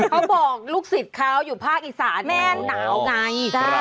เขาบอกลูกศิษย์เขาอยู่ภาคอีสานแม่หนาวไง